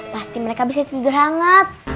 pasti mereka bisa tidur hangat